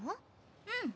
うん。